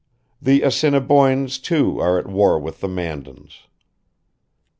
The Assiniboins too are at war with the Mandans.